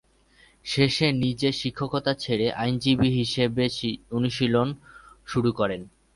শেষে নিজে শিক্ষকতা ছেড়ে আইনজীবী হিসাবে অনুশীলন শুরু করেন।